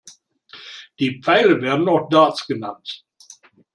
Die Pfeile werden auch Darts genannt.